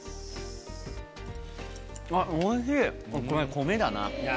これ米だな。